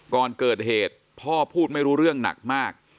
ก่อนเกิดเหตุพ่อพูดไม่รู้เรื่องหนักมาก